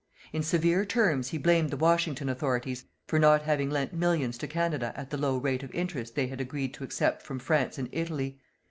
In severe terms he blamed the Washington Authorities for not having lent millions to Canada at the low rate of interest they had agreed to accept from France and Italy.